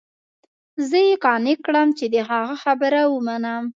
زه يې قانع کړم چې د هغه خبره ومنم.